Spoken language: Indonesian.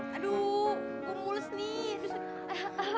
aduh aku mulus nih